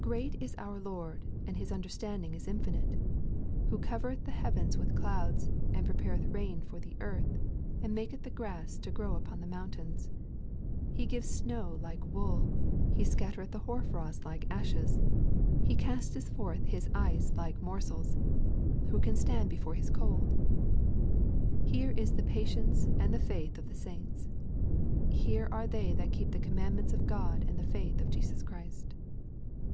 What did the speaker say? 'Great is our Lord, and His understanding is infinite. Who covereth the heavens with clouds, and prepareth rain for the earth, and maketh the grass to grow upon the mountains. He giveth snow like wool; He scattereth the hoarfrost like ashes; He casteth forth His ice like morsels. Who can stand before his cold?' Here is the patience and the faith of the saints. Here are they that keep the commandments of God and the faith of Jesus Christ.